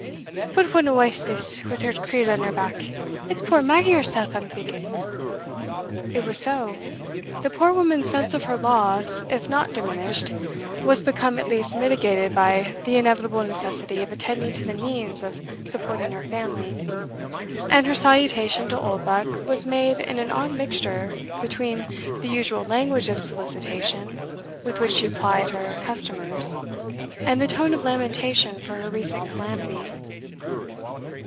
But whatna wife's this, wi' her creel on her back? It's puir Maggie hersell, I'm thinking." It was so. The poor woman's sense of her loss, if not diminished, was become at least mitigated by the inevitable necessity of attending to the means of supporting her family; and her salutation to Oldbuck was made in an odd mixture between the usual language of solicitation with which she plied her customers, and the tone of lamentation for her recent calamity.